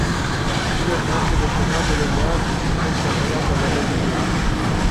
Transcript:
Divenne anche mecenate delle arti e fu molto ammirata da Lady Gregory.